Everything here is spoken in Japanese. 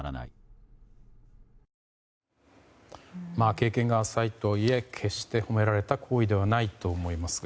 経験が浅いとはいえ決して褒められた行為ではないと思いますが。